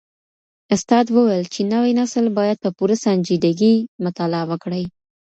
استاد وويل چي نوی نسل بايد په پوره سنجيدګۍ مطالعه وکړي.